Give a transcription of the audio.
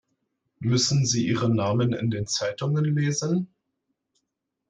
Müssen sie ihre Namen in den Zeitungen lesen?